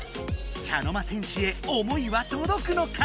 茶の間戦士へ思いはとどくのか？